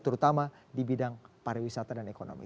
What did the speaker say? terutama di bidang pariwisata dan ekonomi